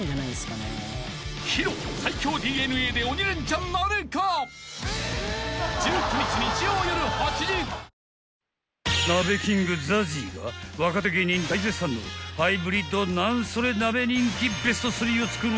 Ｎｏ．１［鍋キングＺＡＺＹが若手芸人大絶賛のハイブリッドなんそれ鍋人気ベストスリーを作る］